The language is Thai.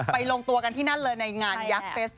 ไปลงตัวกันที่นั่นเลย